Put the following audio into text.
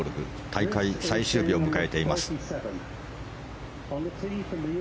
大会最終日を迎えています。